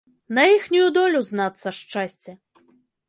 На іхнюю долю, знацца, шчасце.